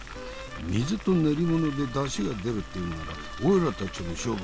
「水と練り物で出汁が出るっていうならおいらたちの商売